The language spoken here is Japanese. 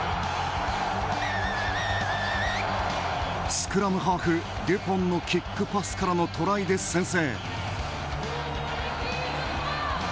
スクラムハーフ、デュポンのキックパスからのトライで先制。